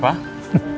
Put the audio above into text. pak apa sih speak